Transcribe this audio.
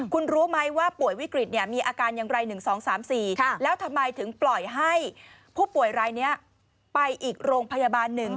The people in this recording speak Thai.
คุณรู้ไหมว่าป่วยวิกฤตมีอาการอย่างไร๑๒๓๔แล้วทำไมถึงปล่อยให้ผู้ป่วยรายนี้ไปอีกโรงพยาบาลหนึ่ง